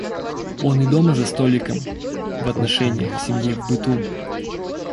Он и дома за столиком, в отношеньях, в семье, в быту.